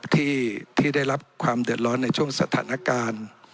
ที่ได้รับความเดือดร้อนในช่วงสถานการณ์